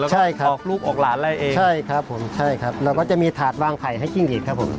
ใช่ครับใช่ครับใช่ครับแล้วก็จะมีถาดวางไข่ให้จิ้งลีดครับผม